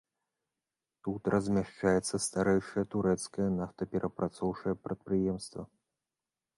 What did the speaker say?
Тут размяшчаецца старэйшае турэцкае нафтаперапрацоўчае прадпрыемства.